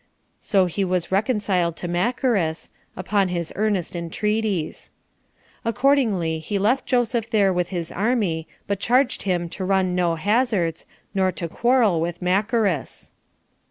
So he was reconciled to Macheras, upon his earnest entreaties. Accordingly, he left Joseph there with his army, but charged him to run no hazards, nor to quarrel with Macheras.